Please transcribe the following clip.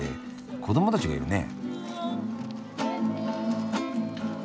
子どもたちがいるね。